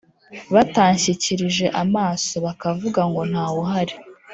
Batanshyikirije amaso bakavuga ngo ntawuhari